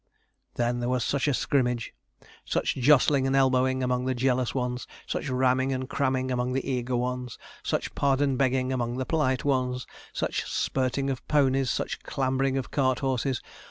Then there was such a scrimmage! such jostling and elbowing among the jealous ones; such ramming and cramming among the eager ones; such pardon begging among the polite ones; such spurting of ponies, such clambering of cart horses.